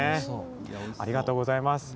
ありがとうございます。